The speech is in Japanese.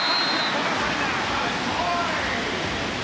古賀紗理那。